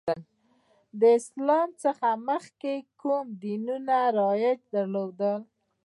د اسلام څخه مخکې کوم دینونه رواج درلود؟